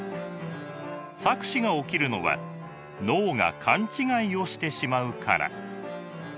錯視が起きるのは脳が勘違いをしてしまうから。